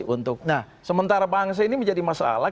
untuk nah sementara bangsa ini menjadi masalah